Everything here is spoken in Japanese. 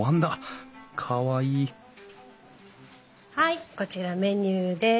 かわいいはいこちらメニューです。